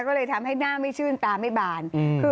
ก็เลยทำให้หน้าไม่ชื่นตาไม่บาน